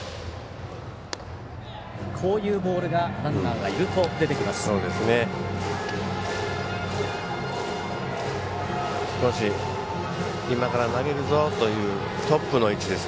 こういうボールがランナーがいると出てきます。